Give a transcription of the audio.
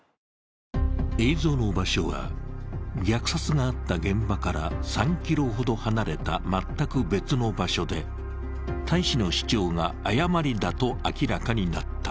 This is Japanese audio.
映像の場所は、虐殺があった現場から３ｋｍほど離れた全く別の場所で、大使の主張が誤りだと明らかになった。